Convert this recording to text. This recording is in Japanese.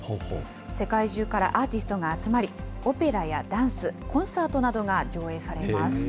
世界中からアーティストが集まり、オペラやダンス、コンサートなどが上演されます。